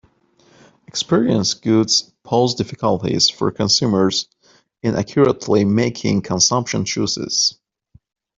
Experience goods pose difficulties for consumers in accurately making consumption choices.